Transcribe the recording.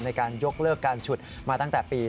ในการยกเลิกการฉุดมาตั้งแต่ปี๒๕